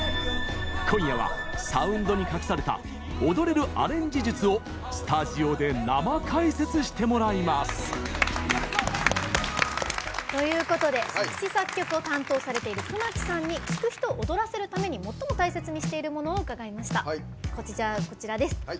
今夜は、サウンドに隠された「踊れるアレンジ術」をスタジオで生解説してもらいます。ということで作詞・作曲を担当されてる熊木さんに聴く人を踊らせるために最も大切にしていることを伺いました。